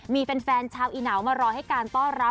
มีเป็นแฟนชาวอินาวมารอให้การต้อรับ